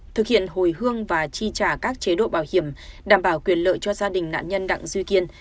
thực hiện hồi hương và chi trả các chế độ bảo hiểm đảm bảo quyền lợi cho gia đình nạn nhân đặng duy kiên